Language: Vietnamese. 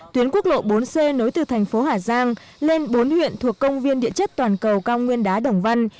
tuyến quốc lộ bốn c nối từ thành phố hà giang lên bốn huyện thuộc công viên địa chất toàn cầu cao nguyên đá đồng văn